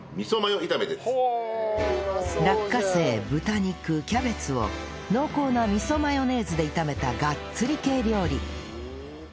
落花生豚肉キャベツを濃厚な味噌マヨネーズで炒めたガッツリ系料理